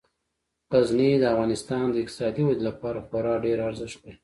غزني د افغانستان د اقتصادي ودې لپاره خورا ډیر ارزښت لري.